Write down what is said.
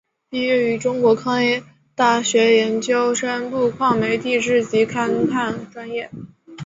毕业于中国矿业大学研究生部煤田地质及勘探专业。